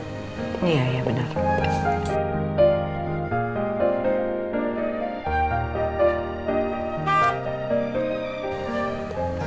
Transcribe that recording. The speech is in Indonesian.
iya ya bener